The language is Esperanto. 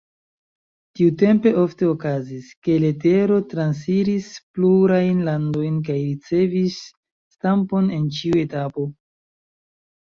Tiutempe ofte okazis, ke letero transiris plurajn landojn kaj ricevis stampon en ĉiu etapo.